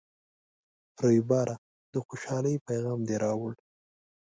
ریبراه، د خوشحالۍ پیغام دې راوړ.